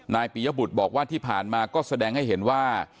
ปียบุตรบอกว่าที่ผ่านมาก็แสดงให้เห็นว่า